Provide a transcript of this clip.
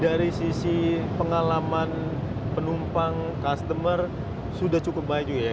dari sisi pengalaman penumpang customer sudah cukup baik juga ya